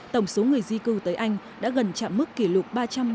tổng số người di cư tới anh đã gần chạm mức kỷ lục ba trăm ba mươi